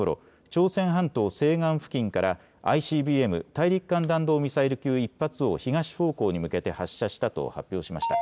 朝鮮半島西岸付近からＩＣＢＭ・大陸間弾道ミサイル級１発を東方向に向けて発射したと発表しました。